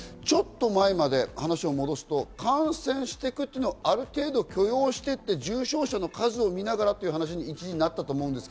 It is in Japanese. ちょっと前まで話を戻すと、感染していくというのはある程度許容して重症者の数を見ながらという話になりました。